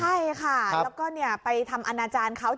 ใช่ค่ะแล้วก็ไปทำอนาจารย์เขา